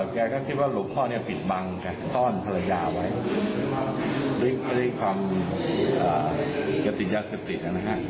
เพราะลูกพ่อผิดบังซ่อนภรรยาไว้ด้วยความกระติดยาศติก